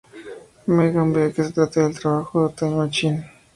Megan ve que se trata del trabajo de Time Machine.